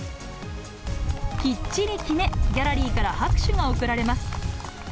きっちり決め、ギャラリーから拍手が送られます。